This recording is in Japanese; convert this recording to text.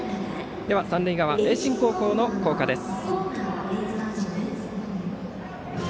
では三塁側、盈進高校の校歌です。